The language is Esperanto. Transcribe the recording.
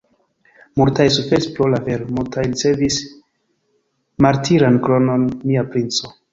Multaj suferis pro la vero, multaj ricevis martiran kronon, mia princo!